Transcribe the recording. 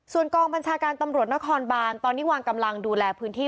ส่วนกองบัญชาการตำรวจนครบานตอนนี้วางกำลังดูแลพื้นที่